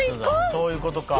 そういうことか。